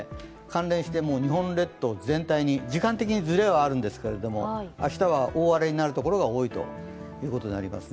関連して、日本列島全体に時間的にずれはあるんですけど明日は大荒れになる所が多いということになります。